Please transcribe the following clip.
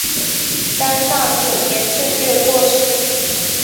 干道九年正月过世。